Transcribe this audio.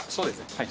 はい。